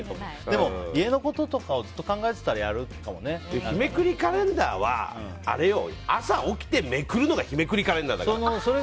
でも家のこととかをずっと考えてたら日めくりカレンダーは朝起きて、めくるのが日めくりカレンダーだから。